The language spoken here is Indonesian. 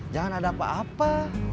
jangan ada apa apa